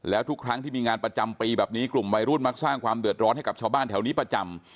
แล้วทุกครั้งที่มีงานประจำปีแบบนี้กลุ่มวัยรุ่นมักสร้างความเดือดร้อนให้กับชาวบ้านแถวนี้ประจำ